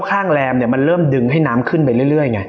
แรมเนี่ยมันเริ่มดึงให้น้ำขึ้นไปเรื่อยไง